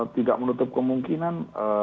tidak menutup kemungkinan